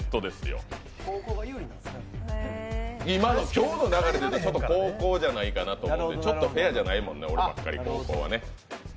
今日の流れでいくと後攻じゃないかなと、ちょっとフェアじゃないもんな、俺ばっかり。